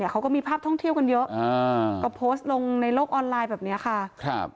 เขาก็มีภาพท่องเที่ยวกันเยอะก็โพสต์ลงในโลกออนไลน์แบบนี้ค่ะ